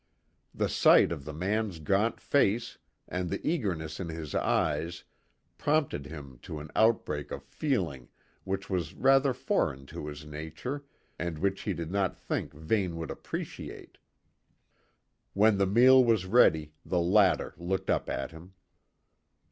The sight of the man's gaunt face and the eagerness in his eyes prompted him to an outbreak of feeling which was rather foreign to his nature and which he did not think Vane would appreciate. When the meal was ready, the latter looked up at him.